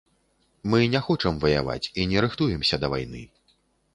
Мы не хочам ваяваць і не рыхтуемся да вайны.